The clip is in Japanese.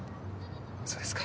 そうですか。